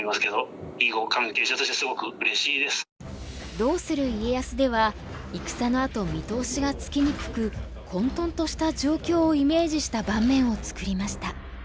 「どうする家康」では戦のあと見通しがつきにくく混とんとした状況をイメージした盤面を作りました。